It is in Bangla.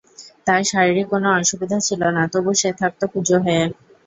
তার শারীরিক কোনো অসুবিধা ছিল না, তবু সে থাকত কুঁজো হয়ে।